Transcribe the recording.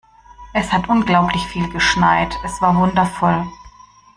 Es hat unglaublich viel geschneit. Es war wundervoll.